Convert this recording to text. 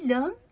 nguy hiểm lớn